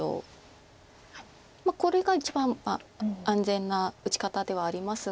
まあこれが一番安全な打ち方ではありますが。